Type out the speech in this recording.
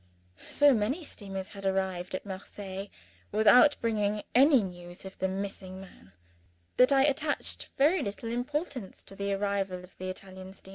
So many steamers had arrived at Marseilles, without bringing any news of the missing man, that I attached very little importance to the arrival of the Italian ship.